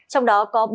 trong đó có